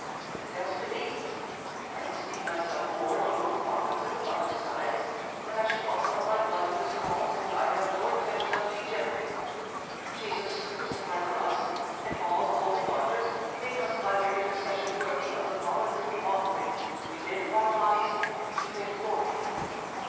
And as to me, I esteem myself born on both father's and mother's sides, that I should offer up my blood for this cause, and I have no intention of degenerating. Jesus, crucified for us, and all the holy martyrs, make us by their intercession worthy of the voluntary offering we make of our bodies to their glory!